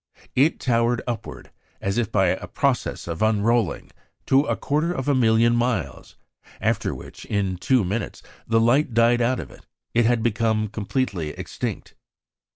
It towered upward, as if by a process of unrolling, to a quarter of a million of miles; after which, in two minutes, the light died out of it; it had become completely extinct.